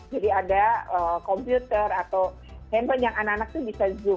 jadi ada komputer atau handphone yang anak anak itu bisa zoom